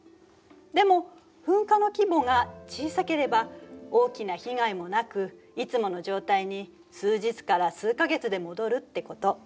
でも噴火の規模が小さければ大きな被害もなくいつもの状態に数日から数か月で戻るってこと。